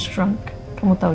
tunggu kamu tahu